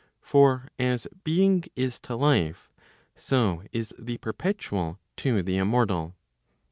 For as being is to life, so is the perpetual to the immortal.